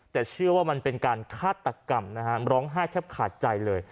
แต่เชื่อว่ามันเป็นการฆาตกรรมนะฮะร้องไห้แทบขาดใจเลย